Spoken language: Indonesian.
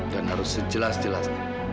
dan harus sejelas jelas